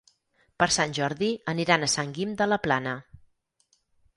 Per Sant Jordi aniran a Sant Guim de la Plana.